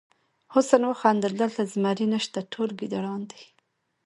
حسن وخندل دلته زمری نشته ټول ګیدړان دي.